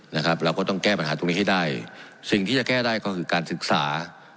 นะครับเราก็ต้องแก้ปัญหาตรงนี้ให้ได้สิ่งที่จะแก้ได้ก็คือการศึกษา